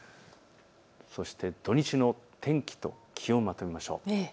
土日の天気と気温をまとめましょう。